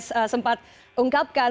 saya sempat ungkapkan